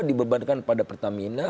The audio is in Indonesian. dibebankan pada pertamina